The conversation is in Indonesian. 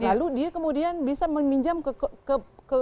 lalu dia kemudian bisa meminjam ke